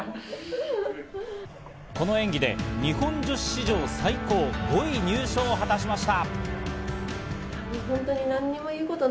この演技で日本女子史上最高、５位入賞を果たしました。